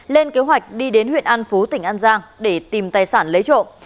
lên kế hoạch đi đến huyện an phú tỉnh an giang để tìm tài sản lấy trộm